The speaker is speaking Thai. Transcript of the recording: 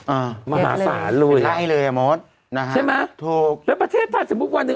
อ่ามหาศาลลูกใช่ไหมถูกแล้วประเทศถ้าสมมุติวันหนึ่ง